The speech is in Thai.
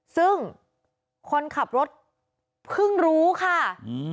ซึ่งคนขับรถเพิ่งรู้ค่ะอืม